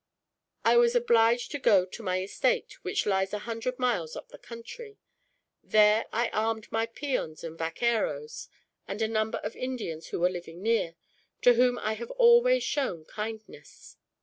I was obliged to go to my estate, which lies a hundred miles up the country. There I armed my peons and vaqueros, and a number of Indians who were living near, to whom I have always shown kindness.